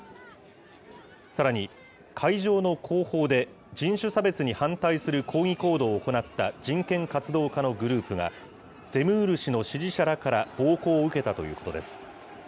さらに、会場の後方で、人種差別に反対する抗議行動を行った人権活動家のグループが、ゼムール氏の支持者らから暴行を受けたということです。